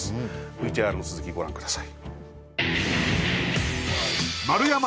ＶＴＲの続きご覧ください